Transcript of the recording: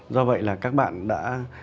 do vậy là các bạn đã